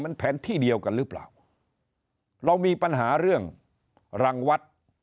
มันแผนที่เดียวกันหรือเปล่าเรามีปัญหาเรื่องรังวัด